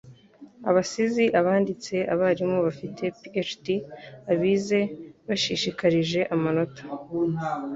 abasizi abanditsi abarimu bafite PhD abize bashishikarije amanota